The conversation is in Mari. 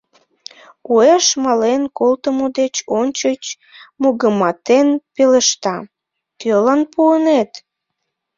Уэш мален колтымо деч ончыч мугыматен пелешта: — Кӧлан пуынет?